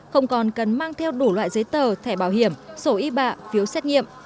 không còn cần mang theo đủ loại giấy tờ thẻ bảo hiểm sổ y bạ phiếu xét nghiệm